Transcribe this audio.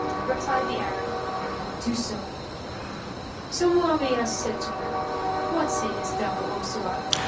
Replied the Arab, "Do so." So Mu'awiyah said to her, "What sayest thou, O Su'ad?